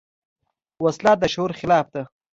وسله د شعور خلاف ده